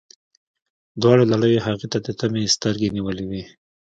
دواړو لړیو هغې ته د طمعې سترګې نیولي وې.